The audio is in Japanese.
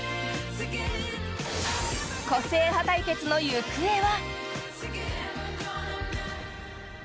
個性派対決の行方は。